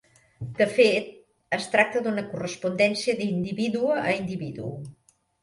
De fet, es tracta d'una correspondència d'individu a individu.